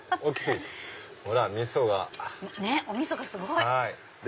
おみそがすごい！